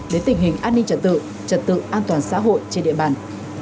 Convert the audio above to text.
đến tình hình an ninh trật tự trật tự an toàn xã hội trên địa bàn